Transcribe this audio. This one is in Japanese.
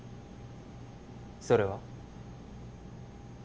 それは？